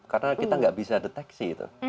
karena kita nggak bisa deteksi itu